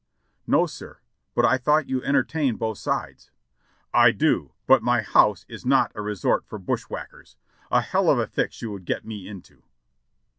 "No, sir; but I thought you entertained both sides." "I do. but my house is not a resort for bushwhackers; a hell of a fix you would get me into."